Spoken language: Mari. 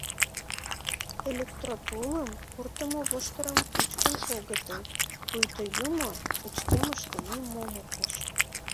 Электротулым пуртымо воштырым пӱчкын огытыл, пуйто Юмо пычкемыште нимом ок уж.